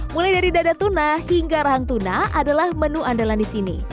mulai dari dada tuna hingga rahang tuna adalah menu andalan di sini